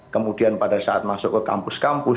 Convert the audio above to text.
kemudian pada saat masuk ke kampus kampus